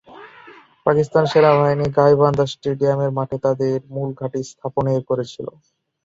পাকিস্তান সেনাবাহিনী গাইবান্ধা স্টেডিয়ামের মাঠে তাদের মূল ঘাঁটি স্থাপনের করেছিল।